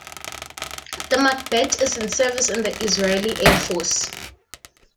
The Machbet is in service in the Israeli Air Force.